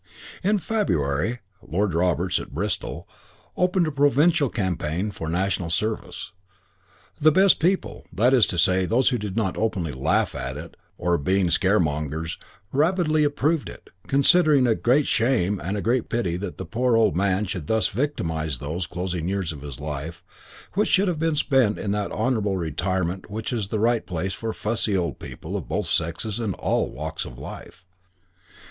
In February, Lord Roberts, at Bristol, opened a provincial campaign for National Service. The best people that is to say those who did not openly laugh at it or, being scaremongers, rabidly approve it considered it a great shame and a great pity that the poor old man should thus victimise those closing years of his life which should have been spent in that honourable retirement which is the right place for fussy old people of both sexes and all walks of life.